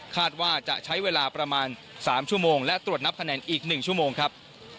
คาดว่าจะใช้เวลาประมาณ๓ชั่วโมงและตรวจนับคะแนนอีก๑ชั่วโมงครับ